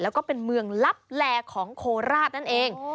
แล้วก็เป็นเมืองลับแลของโคราชนั่นเอง